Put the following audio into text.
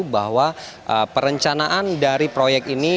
bahwa perencanaan dari proyek ini